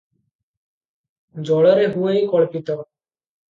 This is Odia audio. ଜଳରେ ହୁଅଇ କଳ୍ପିତ ।